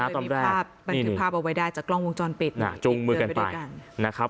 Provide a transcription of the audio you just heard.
เป็นถือภาพเอาไว้ได้จากกล้องวงจรปิดจุงมือกันไป